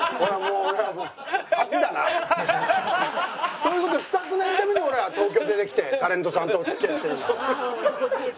そういう事をしたくないために俺は東京に出てきてタレントさんとお付き合いしてるんだから。